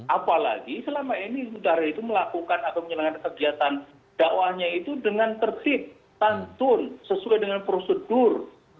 apalagi selama ini negara itu melakukan atau menjalankan kegiatan dakwahnya itu dengan tertib santun sesuai dengan prosedur